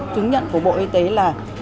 chứng nhận của bộ y tế là